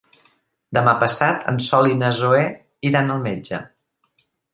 Demà passat en Sol i na Zoè iran al metge.